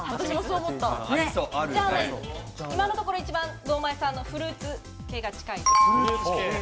今のところ堂前さんのフルーツ系が一番近い。